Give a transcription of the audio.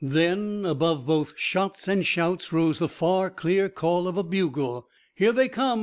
Then above both shots and shouts rose the far, clear call of a bugle. "Here they come!"